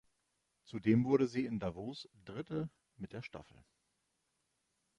Zudem wurde sie in Davos Dritte mit der Staffel.